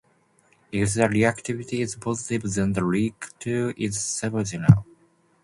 If the reactivity is positive - then the reactor is supercritical.